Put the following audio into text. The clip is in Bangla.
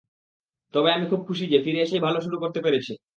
তবে আমি খুব খুশি যে, ফিরে এসেই ভালো শুরু করতে পেরেছি।